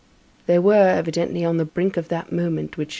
They were, evidently, on the brink of that moment which M.